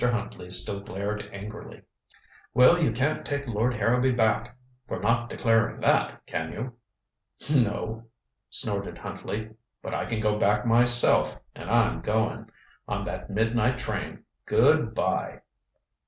Huntley still glared angrily. "Well you can't take Lord Harrowby back for not declaring that, can you?" "No," snorted Huntley. "But I can go back myself, and I'm going on that midnight train. Good by."